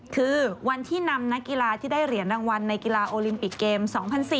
คือวันที่นำนักกีฬาที่ได้เหรียญรางวัลในกีฬาโอลิมปิกเกม๒๐๐๔